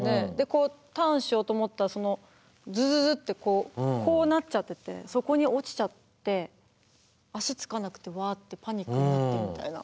こうターンしようと思ったらそのズズズってこうなっちゃっててそこに落ちちゃって足着かなくてわってパニックになってみたいな。